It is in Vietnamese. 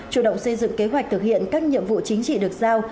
chủ động xây dựng kế hoạch thực hiện các nhiệm vụ chính trị được giao